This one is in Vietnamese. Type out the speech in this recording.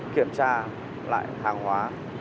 kiểm tra lại hàng hóa